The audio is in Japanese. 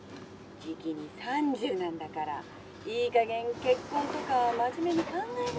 じきに３０なんだからいいかげん結婚とか真面目に考えなさいよ。